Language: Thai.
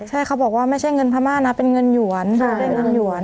ใช่เขาบอกว่าไม่ใช่เงินพม่านะเป็นเงินหยวนเป็นเงินหยวน